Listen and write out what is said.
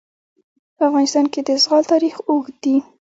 په افغانستان کې د زغال تاریخ اوږد دی.